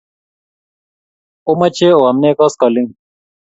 Omache oam nee koskoling'?